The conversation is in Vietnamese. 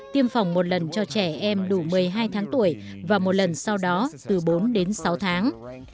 tiêm phòng một lần cho trẻ em đủ một mươi hai tháng tuổi và một lần sau đó từ bốn đến sáu tháng